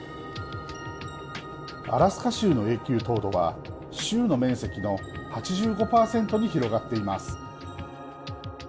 アラスカ州の永久凍土は州の面積の８５％に広がっています